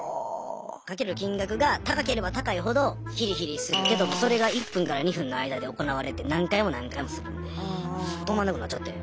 賭ける金額が高ければ高いほどヒリヒリするけどそれが１分から２分の間で行われて何回も何回もするんで止まんなくなっちゃって。